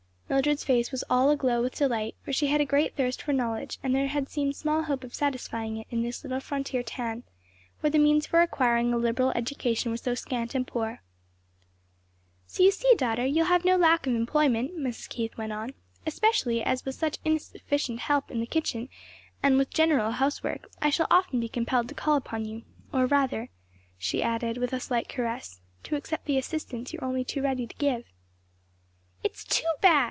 Mildred's face was all aglow with delight; for she had a great thirst for knowledge, and there had seemed small hope of satisfying it in this little frontier town where the means for acquiring a liberal education were so scant and poor. "So you see, daughter, you will have no lack of employment," Mrs. Keith went on; "especially as with such inefficient help in the kitchen and with general housework, I shall often be compelled to call upon you; or rather," she added, with a slight caress, "to accept the assistance you are only too ready to give." "It is too bad!"